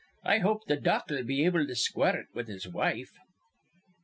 "I hope th' doc'll be able to square it with his wife."